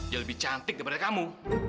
yang lebih cantik daripada kamu